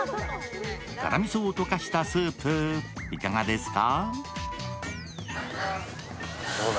辛味噌を溶かしたスープ、いかがですか？